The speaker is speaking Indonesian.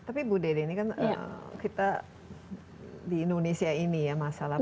tapi bu dede ini kan kita di indonesia ini ya masalahnya